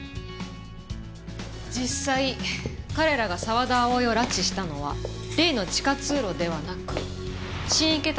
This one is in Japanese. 実際彼らが沢田葵を拉致したのは例の地下通路ではなく新池谷